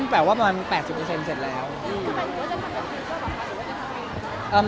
หมายถึงว่าจะผ่านกับทีมก็บอกว่าหรือว่าจะทำไม